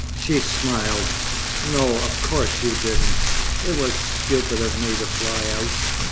She smiled. "No, of course you didn't. It was stupid of me to fly out.